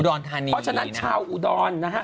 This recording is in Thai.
เพราะฉะนั้นชาวอุดรนะฮะ